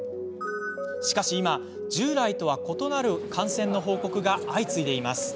しかし今従来とは異なる感染の報告が相次いでいます。